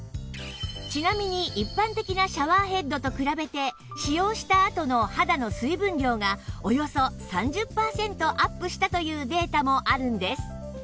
ちなみに一般的なシャワーヘッドと比べて使用したあとの肌の水分量がおよそ３０パーセントアップしたというデータもあるんです